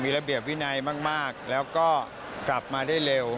ระเบียบวินัยมากแล้วก็กลับมาได้เร็ว